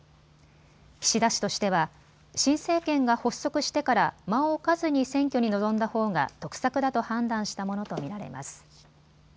岸田氏としては新政権が発足してから間を置かずに選挙に臨んだほうが得策だと判断したものと見られます。